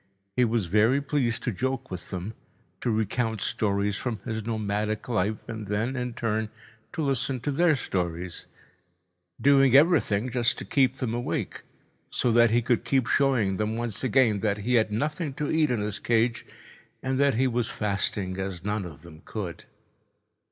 He was very pleased to joke with them, to recount stories from his nomadic life and then, in turn, to listen their stories—doing everything just to keep them awake, so that he could keep showing them once again that he had nothing to eat in his cage and that he was fasting as none of them could.